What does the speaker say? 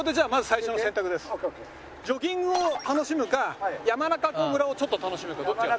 ジョギングを楽しむか山中湖村をちょっと楽しむかどっちが。